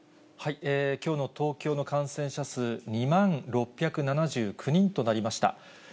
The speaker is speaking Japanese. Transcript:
きょうの東京の感染者数２万６７９人となりました。